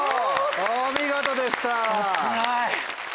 お見事でした。